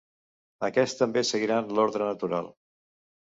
Aquests també seguiran l'ordre natural.